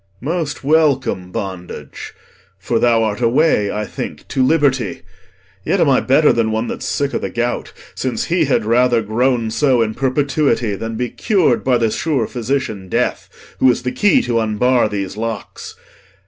Most welcome, bondage! for thou art a way, I think, to liberty. Yet am I better Than one that's sick o' th' gout, since he had rather Groan so in perpetuity than be cur'd By th' sure physician death, who is the key T' unbar these locks.